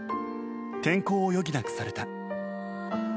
転校を余儀なくされた。